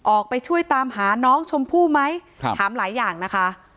ออกไปช่วยตามหาน้องชมพู่ไหมถามหลายอย่างนะคะ